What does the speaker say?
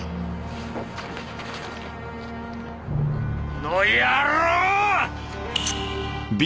この野郎ー！